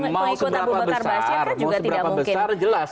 mau seberapa besar mau seberapa besar jelas